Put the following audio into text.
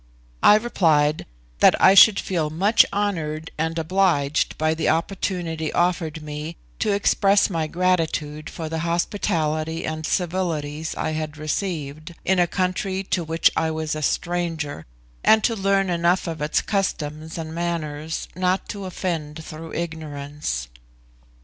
I replied, that I should feel much honoured and obliged by the opportunity offered me to express my gratitude for the hospitality and civilities I had received in a country to which I was a stranger, and to learn enough of its customs and manners not to offend through ignorance.